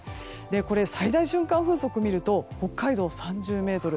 これ、最大瞬間風速を見ると北海道は３０メートル